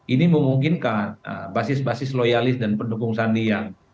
ini memungkinkan basis basis loyalis dan pendukung sandi yang